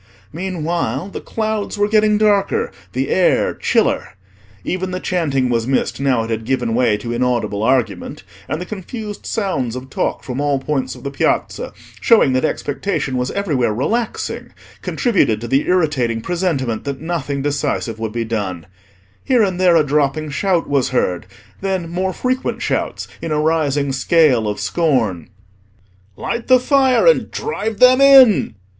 Meanwhile the clouds were getting darker, the air chiller. Even the chanting was missed now it had given way to inaudible argument; and the confused sounds of talk from all points of the Piazza, showing that expectation was everywhere relaxing, contributed to the irritating presentiment that nothing decisive would be done. Here and there a dropping shout was heard; then, more frequent shouts in a rising scale of scorn. "Light the fire and drive them in!"